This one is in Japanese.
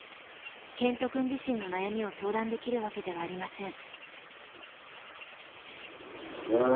健人くん自身の悩みを相談できるわけではありません。